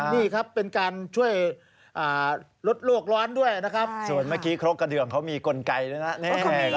นี่ครับเป็นการช่วยลดโลกร้อนด้วยนะครับส่วนเมื่อกี้ครกกระเดืองเขามีกลไกด้วยนะ